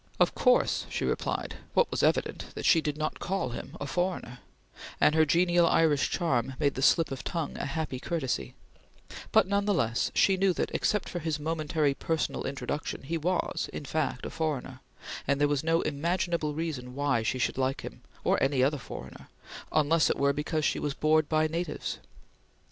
Of course she replied what was evident, that she did not call him a foreigner, and her genial Irish charm made the slip of tongue a happy courtesy; but none the less she knew that, except for his momentary personal introduction, he was in fact a foreigner, and there was no imaginable reason why she should like him, or any other foreigner, unless it were because she was bored by natives.